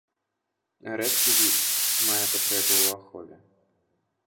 Рэдкі від, мае патрэбу ў ахове.